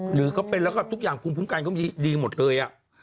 หรือเค้าเป็นแล้วก็ทุกอย่างภูมิภูมิการเค้าดีหมดเลยอ่ะ